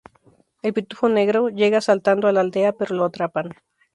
El pitufo negro llega saltando a la aldea pero lo atrapan.